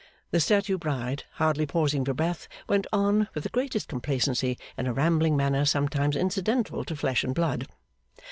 The statue bride, hardly pausing for breath, went on, with the greatest complacency, in a rambling manner sometimes incidental to flesh and blood.